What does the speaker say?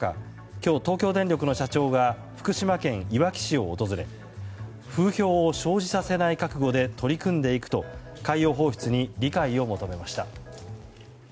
今日、東京電力の社長が福島県いわき市を訪れ風評を生じさせない覚悟で取り組んでいくと海洋放出に理解を求めました。